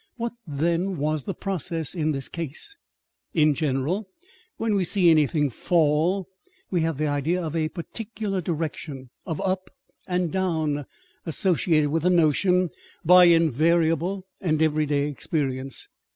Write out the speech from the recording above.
What then was the process in this case? In general, when we see anything fall, we have the idea of a particular direction, of up and down associated with the motion by invariable and every day's experience.